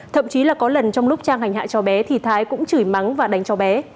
thậm chí là có lần trong lúc trang hành hạ cho bé thì thái cũng chửi mắng và đánh cho bé